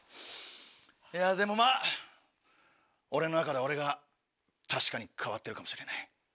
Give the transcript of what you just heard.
いやでもまぁ俺の中の俺が確かに変わってるかもしれない。